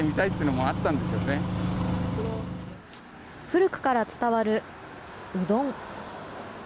古くから伝わる、うどん。